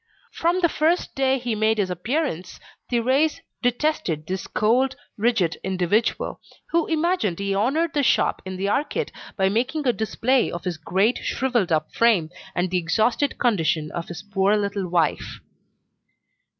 From the first day he made his appearance, Thérèse detested this cold, rigid individual, who imagined he honoured the shop in the arcade by making a display of his great shrivelled up frame, and the exhausted condition of his poor little wife.